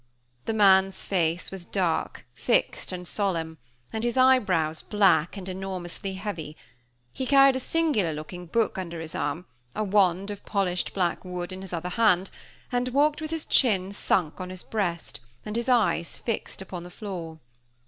The man's face was dark, fixed, and solemn, and his eyebrows black, and enormously heavy he carried a singular looking book under his arm, a wand of polished black wood in his other hand, and walked with his chin sunk on his breast, and his eyes fixed upon the floor.